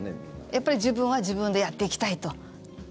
やっぱり自分は自分でやっていきたいと。